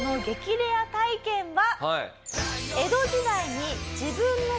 レア体験は。